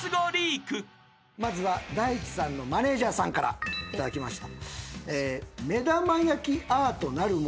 まずは大地さんのマネジャーさんから頂きました。